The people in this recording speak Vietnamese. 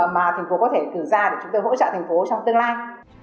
mà thành phố có thể cử ra để chúng tôi hỗ trợ thành phố trong tương lai